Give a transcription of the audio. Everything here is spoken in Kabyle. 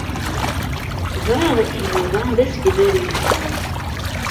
Ẓriɣ dakken Yuba d asegbar yelhan.